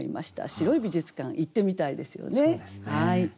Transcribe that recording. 白い美術館行ってみたいですよね。